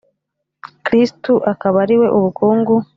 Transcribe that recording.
kristu akaba ariwe ubukungu